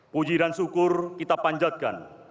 puji dan syukur kita panjatkan